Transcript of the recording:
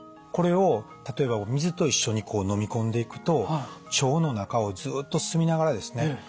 これを例えば水と一緒にこうのみ込んでいくと腸の中をずっと進みながらですね